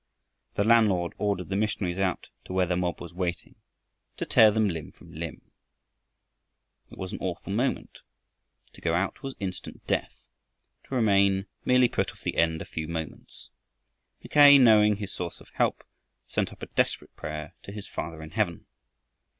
The landlord ordered the missionaries out to where the mob was waiting to tear them limb from limb. It was an awful moment. To go out was instant death, to remain merely put off the end a few moments. Mackay, knowing his source of help, sent up a desperate prayer to his Father in heaven.